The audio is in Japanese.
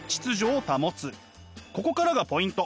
ここからがポイント。